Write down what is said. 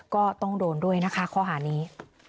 ก็ต้องโดนด้วยนะคะข้อหานี้